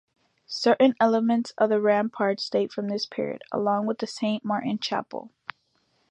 Certains elements of the ramparts date from this period, along with the Saint-Martin chapel.